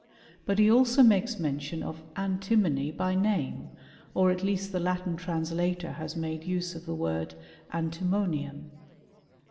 But he also makes mention of anti monj by nanus, or at lea^t the Latin translator has made use of the word antimonium.